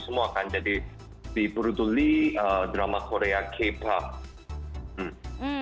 semua akan jadi diberutuli drama korea k pop